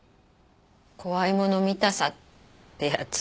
怖いもの見たさってやつ？